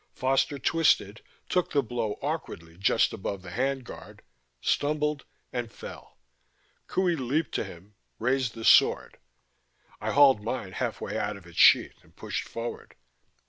Foster twisted, took the blow awkwardly just above the hand guard, stumbled ... and fell. Qohey leaped to him, raised the sword I hauled mine half way out of its sheath and pushed forward.